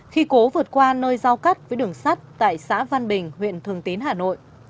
khi cố vượt qua nơi giao cắt với đường sắt tại xã văn bình huyện thường tín hà nội